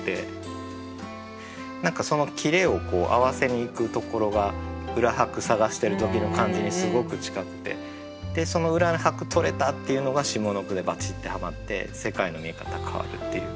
何かそのキレを合わせにいくところが裏拍探してる時の感じにすごく近くてその裏拍とれたっていうのが下の句でバチッてはまって世界の見え方変わるっていう。